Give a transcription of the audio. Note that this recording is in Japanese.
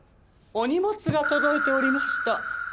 お荷物が届いておりました。